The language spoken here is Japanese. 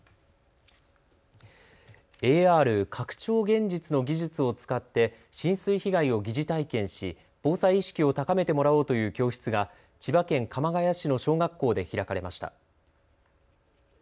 ＡＲ・拡張現実の技術を使って浸水被害を疑似体験し防災意識を高めてもらおうという教室が千葉県鎌ケ谷市の小学校で開かれました。